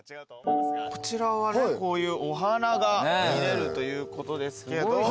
こちらはこういうお花が見れるということですけど。